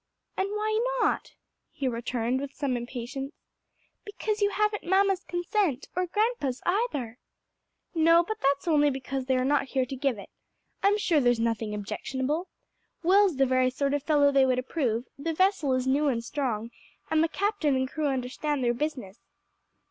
"And why not?" he returned with some impatience. "Because you haven't mamma's consent, or grandpa's either." "No, but that's only because they are not here to give it. I'm sure there's nothing objectionable. Will's the very sort of fellow they would approve, the vessel is new and strong, and the captain and crew understand their business."